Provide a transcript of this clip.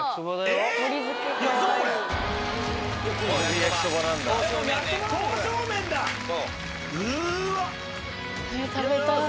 えっ食べたい。